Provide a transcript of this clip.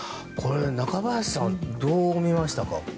中林さん、どう見ましたか？